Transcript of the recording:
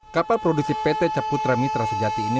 kapal produksi pt caputra mitra sejati ini